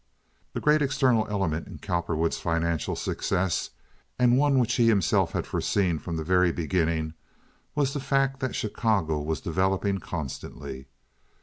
The great external element in Cowperwood's financial success—and one which he himself had foreseen from the very beginning—was the fact that Chicago was developing constantly.